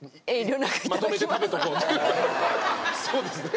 そうですね。